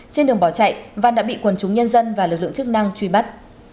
trên đường bỏ chạy văn đã bị quần chúng nhân dân và lực lượng chức năng truy bắt